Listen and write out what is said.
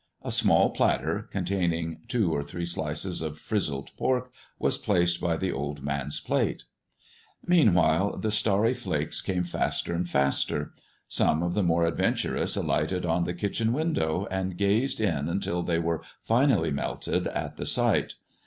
A small platter, containing two or three slices of "frizzled" pork, was placed by the old man's plate. Meanwhile, the starry flakes came faster and faster. Some of the more adventurous alighted on the kitchen window and gazed in until they were finally melted at the sight.